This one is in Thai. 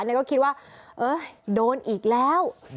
แล้วก็คิดว่าโดนอีกแล้ว